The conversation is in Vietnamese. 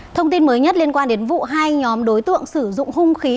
thông tin mới nhất liên quan đến vụ hai nhóm đối tượng sử dụng hung khí